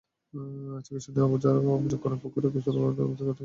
চিকিৎসাধীন আবুজার অভিযোগ করেন, পুকুরে গোসল করতে বাড়ি থেকে বের হচ্ছিলেন তিনি।